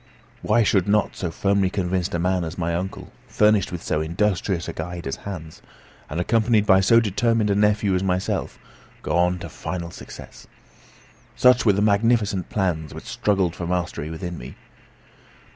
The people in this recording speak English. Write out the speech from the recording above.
Why should not so firmly convinced a man as my uncle, furnished with so industrious a guide as Hans, and accompanied by so determined a nephew as myself, go on to final success? Such were the magnificent plans which struggled for mastery within me.